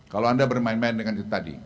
kalau anda bermain main dengan itu tadi